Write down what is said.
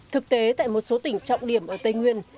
thực tế tại một số tỉnh trọng điểm ở tây nguyên